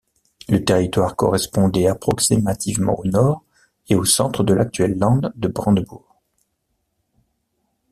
Le territoire correspondait approximativement au nord et au centre de l’actuel Land de Brandebourg.